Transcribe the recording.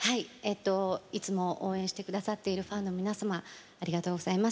いつも応援してくださっているファンの皆様ありがとうございます。